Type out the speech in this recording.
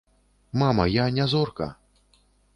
Мама, я не зорка.